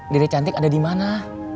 dede cantik ada dimana